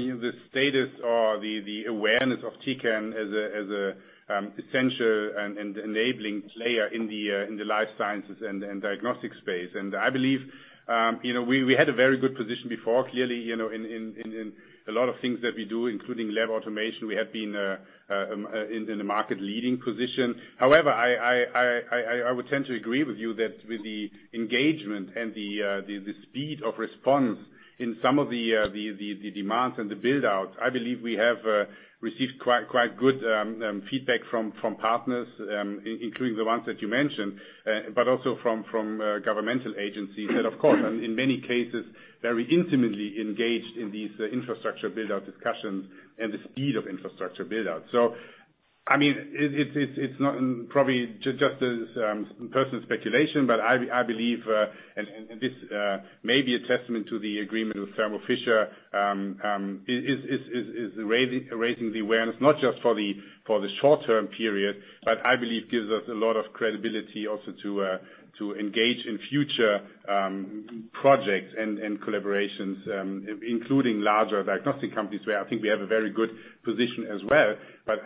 C: status or the awareness of Tecan as an essential and enabling player in the life sciences and diagnostics space. I believe we had a very good position before. Clearly, in a lot of things that we do, including lab automation, we have been in the market leading position. However, I would tend to agree with you that with the engagement and the speed of response in some of the demands and the build-outs, I believe we have received quite good feedback from partners, including the ones that you mentioned, but also from governmental agencies that, of course, in many cases, very intimately engaged in these infrastructure build-out discussions and the speed of infrastructure build-out. It's not probably just personal speculation, but I believe, and this may be a testament to the agreement with Thermo Fisher, is raising the awareness, not just for the short-term period, but I believe gives us a lot of credibility also to engage in future projects and collaborations, including larger diagnostic companies, where I think we have a very good position as well.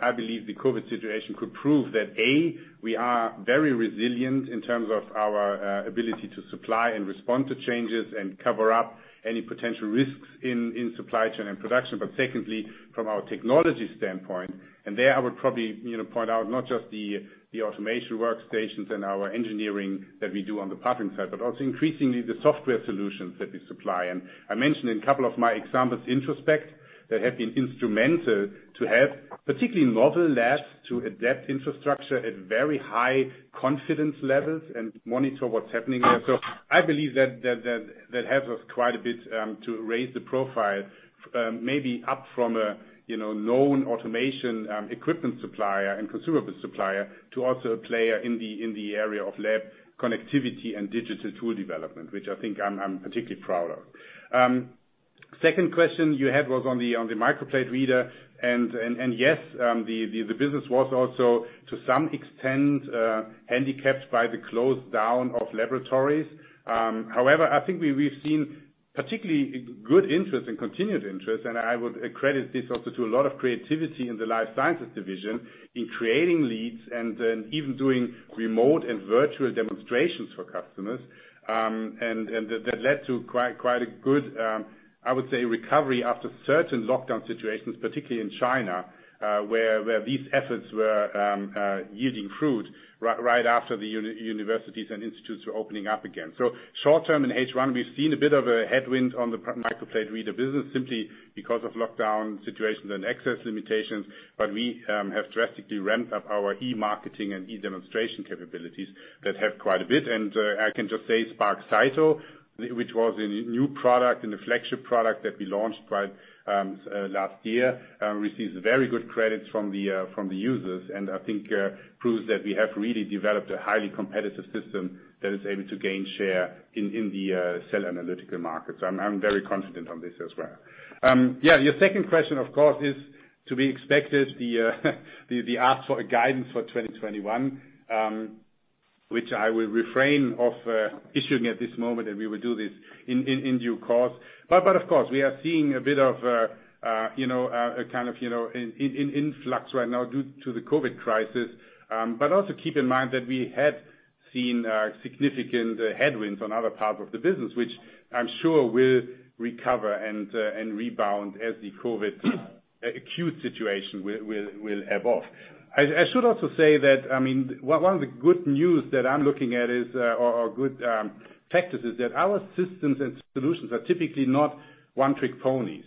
C: I believe the COVID situation could prove that, A, we are very resilient in terms of our ability to supply and respond to changes and cover up any potential risks in supply chain and production. Secondly, from our technology standpoint, and there I would probably point out not just the automation workstations and our engineering that we do on the Partnering side, but also increasingly the software solutions that we supply. I mentioned in a couple of my examples, Introspect, that have been instrumental to help, particularly novel labs, to adapt infrastructure at very high confidence levels and monitor what's happening there. I believe that helps us quite a bit to raise the profile, maybe up from a known automation equipment supplier and consumable supplier to also a player in the area of lab connectivity and digital tool development, which I think I'm particularly proud of. Second question you had was on the microplate reader. Yes, the business was also, to some extent, handicapped by the close down of laboratories. However, I think we've seen particularly good interest and continued interest, and I would accredit this also to a lot of creativity in the Life Sciences division in creating leads and then even doing remote and virtual demonstrations for customers. That led to quite a good, I would say, recovery after certain lockdown situations, particularly in China, where these efforts were yielding fruit right after the universities and institutes were opening up again. Short term in H1, we've seen a bit of a headwind on the microplate reader business simply because of lockdown situations and access limitations. We have drastically ramped up our e-marketing and e-demonstration capabilities that help quite a bit. I can just say Spark Cyto, which was a new product and a flagship product that we launched last year, receives very good credits from the users. I think proves that we have really developed a highly competitive system that is able to gain share in the cell analytical market. I'm very confident on this as well. Yeah, your second question, of course, is to be expected, the ask for a guidance for 2021, which I will refrain of issuing at this moment, and we will do this in due course. Of course, we are seeing a bit of an influx right now due to the COVID crisis. Also keep in mind that we had seen significant headwinds on other parts of the business, which I'm sure will recover and rebound as the COVID acute situation will evolve. I should also say that one of the good news that I'm looking at is, or good practices, that our systems and solutions are typically not one-trick ponies.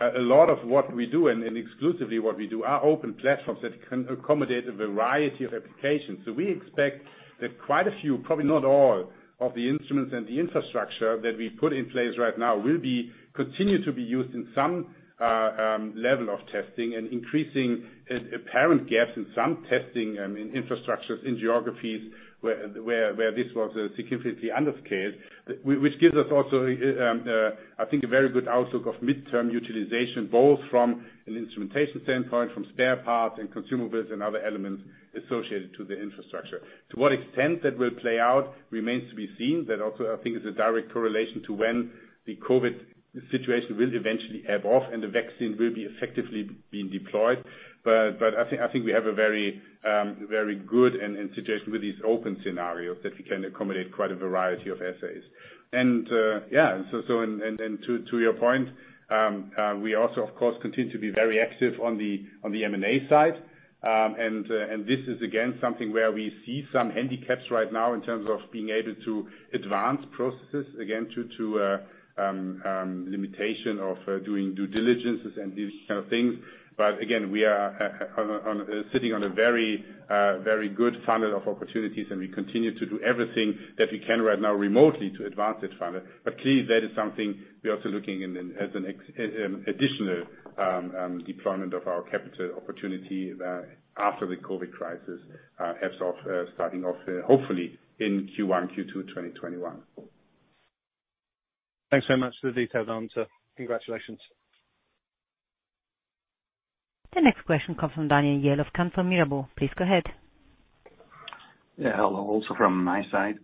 C: A lot of what we do, and exclusively what we do, are open platforms that can accommodate a variety of applications. We expect that quite a few, probably not all, of the instruments and the infrastructure that we put in place right now will continue to be used in some level of testing and increasing apparent gaps in some testing in infrastructures, in geographies where this was significantly under-scaled. Which gives us also, I think, a very good outlook of midterm utilization, both from an instrumentation standpoint, from spare parts and consumables, and other elements associated to the infrastructure. To what extent that will play out remains to be seen. That also, I think, is a direct correlation to when the COVID situation will eventually ebb off and the vaccine will be effectively being deployed. I think we have a very good and situation with these open scenarios that we can accommodate quite a variety of assays. To your point, we also, of course, continue to be very active on the M&A side. This is, again, something where we see some handicaps right now in terms of being able to advance processes, again, due to limitation of doing due diligences and these kind of things. Again, we are sitting on a very good funnel of opportunities, and we continue to do everything that we can right now remotely to advance that funnel. Clearly, that is something we're also looking in as an additional deployment of our capital opportunity after the COVID crisis ebbs off, starting off hopefully in Q1, Q2 2021.
H: Thanks very much for the detailed answer. Congratulations.
A: The next question comes from Daniel Jelovcan of Vontobel. Please go ahead.
I: Yeah. Hello. Also from my side,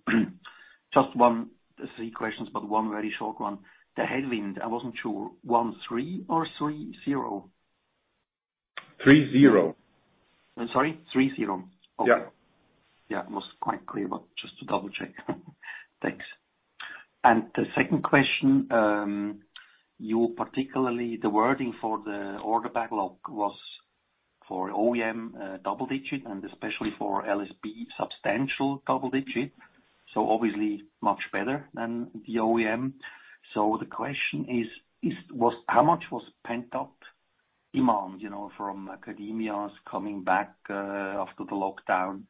I: just one of three questions, but one very short one. The headwind, I wasn't sure, one three or three zero?
C: Three zero.
I: I'm sorry, three zero?
C: Yeah.
I: Okay. Yeah, it was quite clear, but just to double-check. Thanks. The second question, you particularly, the wording for the order backlog was for OEM, double digit, and especially for LSB, substantial double digit, so obviously much better than the OEM. The question is, how much was pent-up demand from academias coming back, after the lockdown,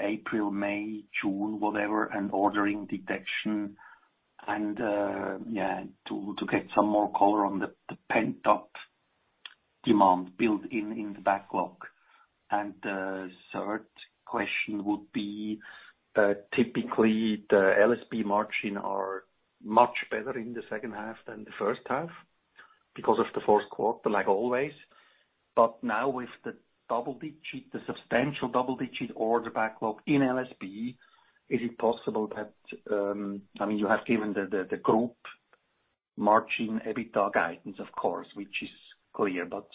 I: April, May, June, whatever, and ordering detection and, yeah, to get some more color on the pent-up demand built in the backlog. The third question would be, typically, the LSB margin are much better in the second half than the first half because of the fourth quarter, like always. Now with the substantial double digit order backlog in LSB, is it possible I mean, you have given the group margin EBITDA guidance, of course, which is clear, but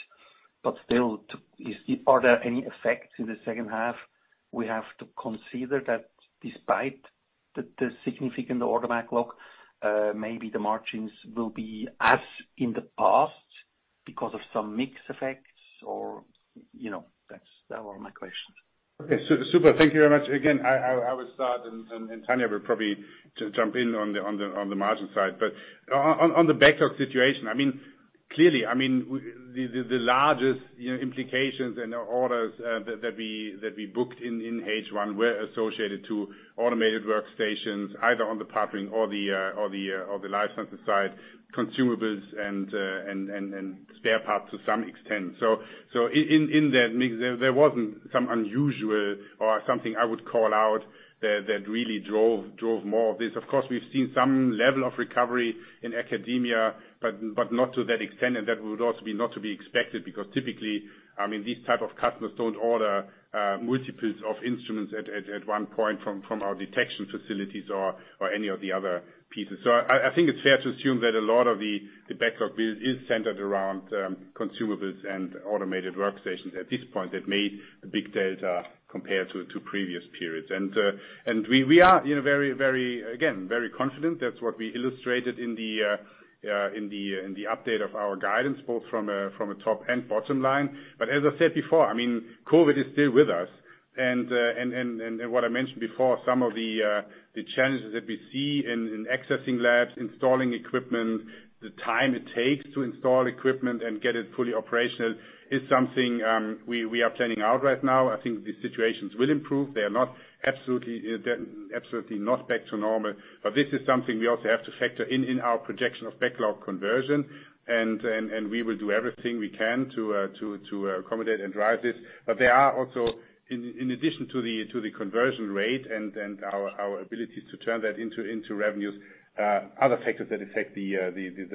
I: still are there any effects in the second half? We have to consider that despite the significant order backlog, maybe the margins will be as in the past because of some mix effects. That's all my questions.
C: Okay. Super. Thank you very much. Again, I will start and Tania will probably jump in on the margin side. On the backlog situation, clearly, the largest implications and orders that we booked in H1 were associated to automated workstations, either on the Partnering or the life sciences side, consumables and spare parts to some extent. In that mix, there wasn't some unusual or something I would call out that really drove more of this. Of course, we've seen some level of recovery in academia, but not to that extent, and that would also be not to be expected because typically, these type of customers don't order multiples of instruments at one point from our detection facilities or any of the other pieces. I think it's fair to assume that a lot of the backlog build is centered around consumables and automated workstations at this point that made the big delta compared to previous periods. We are again, very confident. That's what we illustrated in the update of our guidance, both from a top and bottom line. As I said before, COVID is still with us. What I mentioned before, some of the challenges that we see in accessing labs, installing equipment, the time it takes to install equipment and get it fully operational is something we are planning out right now. I think these situations will improve. They are absolutely not back to normal. This is something we also have to factor in in our projection of backlog conversion, and we will do everything we can to accommodate and drive this. There are also, in addition to the conversion rate and our ability to turn that into revenues, other factors that affect the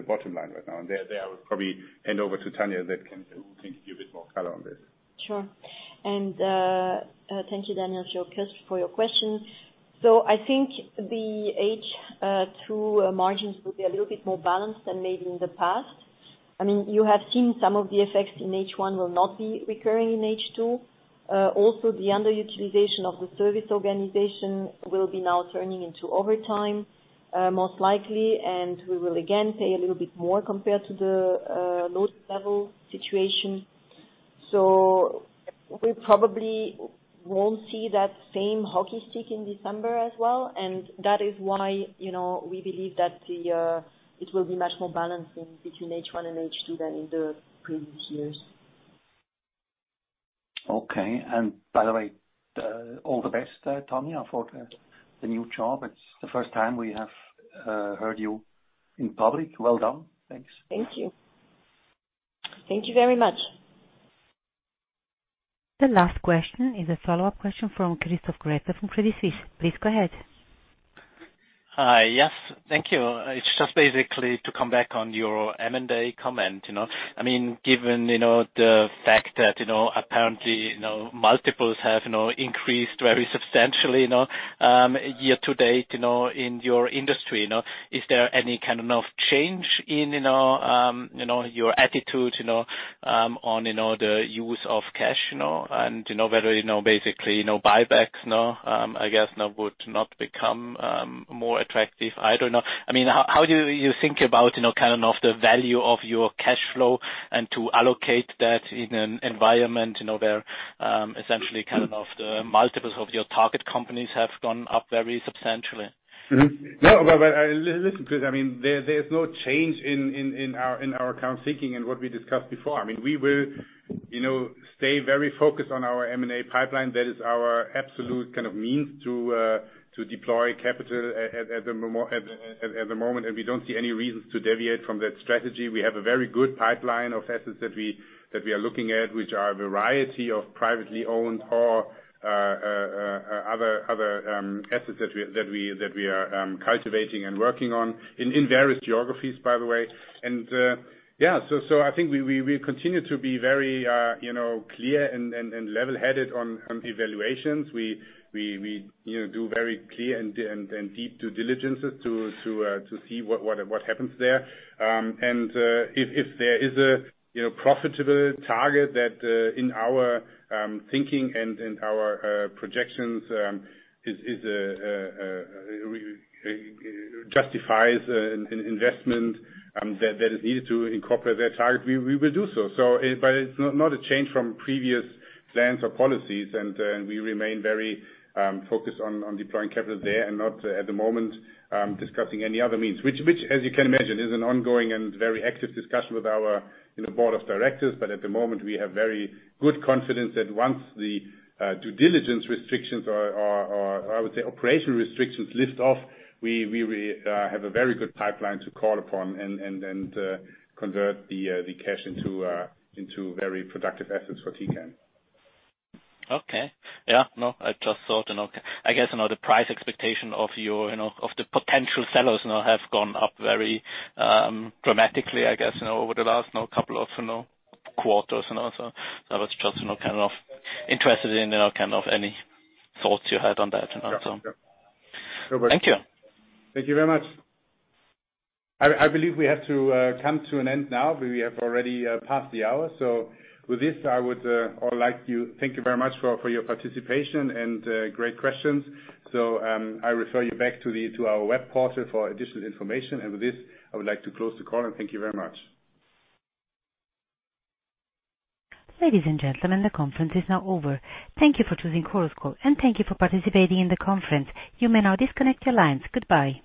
C: bottom line right now. There, I would probably hand over to Tania that can give a bit more color on this.
D: Sure. Thank you, Daniel, for your questions. I think the H2 margins will be a little bit more balanced than maybe in the past. You have seen some of the effects in H1 will not be recurring in H2. The underutilization of the service organization will be now turning into overtime, most likely, and we will again pay a little bit more compared to the lowest level situation. We probably won't see that same hockey stick in December as well, and that is why we believe that it will be much more balancing between H1 and H2 than in the previous years.
I: Okay. By the way, all the best, Tania, for the new job. It's the first time we have heard you in public. Well done. Thanks.
D: Thank you. Thank you very much.
A: The last question is a follow-up question from Christoph Gretler from Credit Suisse. Please go ahead.
G: Hi. Yes. Thank you. It's just basically to come back on your M&A comment. Given the fact that apparently multiples have increased very substantially year to date in your industry, is there any kind of change in your attitude on the use of cash, and whether basically, buybacks now, I guess, would not become more attractive? I don't know. How do you think about the value of your cash flow and to allocate that in an environment where essentially the multiples of your target companies have gone up very substantially?
C: Listen, because there's no change in our current thinking and what we discussed before. We will stay very focused on our M&A pipeline. That is our absolute means to deploy capital at the moment, and we don't see any reasons to deviate from that strategy. We have a very good pipeline of assets that we are looking at, which are a variety of privately owned or other assets that we are cultivating and working on in various geographies, by the way. Yeah. I think we continue to be very clear and level-headed on evaluations. We do very clear and deep due diligences to see what happens there. If there is a profitable target that in our thinking and in our projections justifies investment that is needed to incorporate that target, we will do so. It's not a change from previous plans or policies, and we remain very focused on deploying capital there and not, at the moment, discussing any other means, which, as you can imagine, is an ongoing and very active discussion with our board of directors. At the moment, we have very good confidence that once the due diligence restrictions or, I would say, operational restrictions lift off, we have a very good pipeline to call upon and convert the cash into very productive assets for Tecan.
G: Okay. Yeah. No, I just thought, I guess the price expectation of the potential sellers now have gone up very dramatically, I guess, over the last couple of quarters. I was just interested in any thoughts you had on that.
C: Yeah.
G: Thank you.
C: Thank you very much. I believe we have to come to an end now. We have already passed the hour. With this, I would like to thank you very much for your participation and great questions. I refer you back today to our website for additional information. With this, I would like to close the call and thank you very much.
A: Ladies and gentlemen, the conference is now over. Thank you for choosing Chorus Call, and thank you for participating in the conference. You may now disconnect your lines. Goodbye.